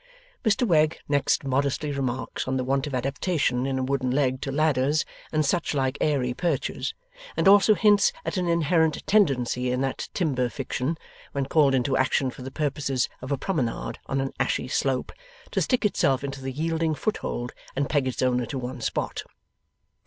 Mr Wegg next modestly remarks on the want of adaptation in a wooden leg to ladders and such like airy perches, and also hints at an inherent tendency in that timber fiction, when called into action for the purposes of a promenade on an ashey slope, to stick itself into the yielding foothold, and peg its owner to one spot.